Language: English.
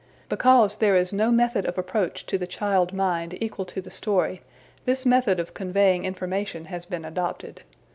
Because there is no method of approach to the child mind equal to the story, this method of conveying information has been adopted.